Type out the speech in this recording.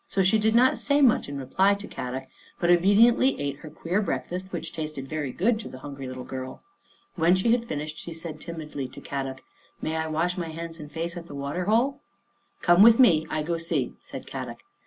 So she did not say much in reply to Kadok, but obediently ate her queer breakfast, which tasted very good to the hungry little girl. When she had finished she said timidly to Kadok, " May I wash my hands and face at the water hole? "" Come with me. I go see," said Kadok.